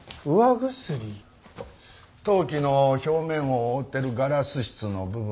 陶器の表面を覆ってるガラス質の部分です。